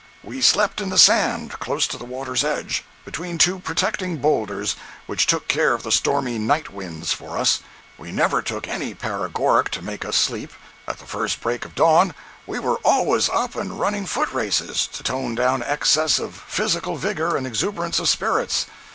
We slept in the sand close to the water's edge, between two protecting boulders, which took care of the stormy night winds for us. We never took any paregoric to make us sleep. At the first break of dawn we were always up and running foot races to tone down excess of physical vigor and exuberance of spirits.